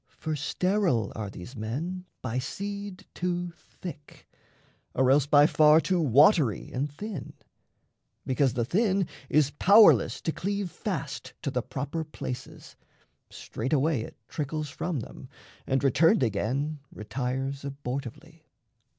For sterile are these men by seed too thick, Or else by far too watery and thin. Because the thin is powerless to cleave Fast to the proper places, straightaway It trickles from them, and, returned again, Retires abortively.